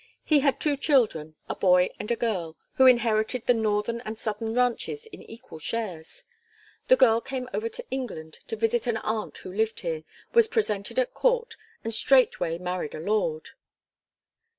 He had two children, a boy and a girl, who inherited the northern and southern ranches in equal shares. The girl came over to England to visit an aunt who lived here, was presented at court, and straightway married a lord."